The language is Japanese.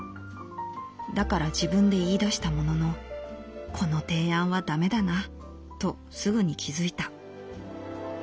だから自分で言い出したもののこの提案は駄目だなとすぐに気づいた」。